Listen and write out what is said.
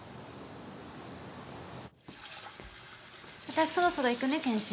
私そろそろ行くね検診。